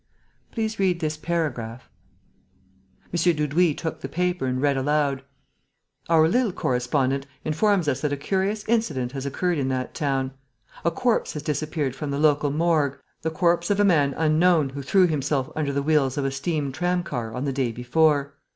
Please read this paragraph." M. Dudouis took the paper and read aloud: "Our Lille correspondent informs us that a curious incident has occurred in that town. A corpse has disappeared from the local morgue, the corpse of a man unknown who threw himself under the wheels of a steam tram car on the day before.